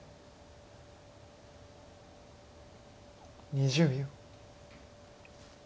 ２０秒。